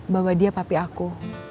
bahwa dia papi aku